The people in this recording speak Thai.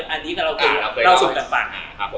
อันนี้เราสูญกันฝั่ง